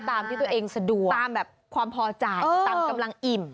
ตามที่ตัวเองสะดวกตามแบบความพอใจตามกำลังอิ่ม